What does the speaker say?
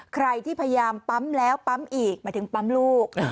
ใครที่พยายามปั๊มแล้วปั๊มอีกหมายถึงปั๊มลูก